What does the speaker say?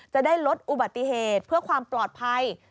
จะได้ลดอุบัติเหตุเพื่อความปลอดภัย